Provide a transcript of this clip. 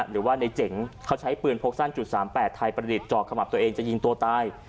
หรือว่าในเจ๋งเขาใช้ปืนพกสั้น๓๘ไทยประดิษฐ์จอกขมับตัวเองจะยิงตัวตาย